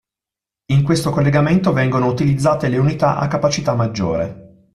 In questo collegamento vengono utilizzate le unità a capacità maggiore.